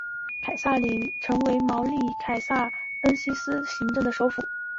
约尔凯撒里亚成为茅利塔尼亚凯撒利恩西斯行省的首府。